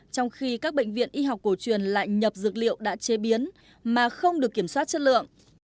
trong khi các bệnh viện y học cổ truyền lại nhập dược liệu đã chế biến mà không được kiểm soát chất lượng